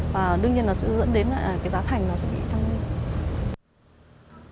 và đương nhiên nó sẽ dẫn đến cái giá thành nó sẽ bị tăng lên